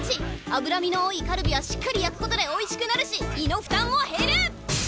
脂身の多いカルビはしっかり焼くことでおいしくなるし胃の負担も減る！